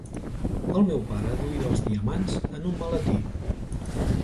El meu pare duia els diamants en un maletí.